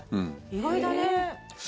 意外だね。